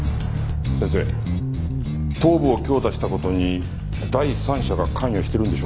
先生頭部を強打した事に第三者が関与しているんでしょうか？